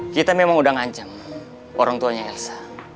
kita memang udah ngancam orang tuanya elsa